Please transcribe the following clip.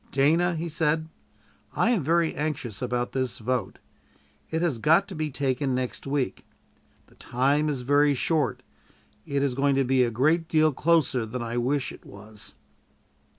"Dana," he said, "I am very anxious about this vote. It has got to be taken next week. The time is very short. It is going to be a great deal closer than I wish it was."